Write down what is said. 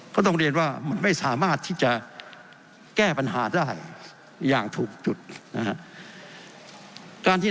ก็ต้องเรียนว่ามันไม่สามารถที่จะแก้ปัญหาได้อย่างถูกจุดนะฮะ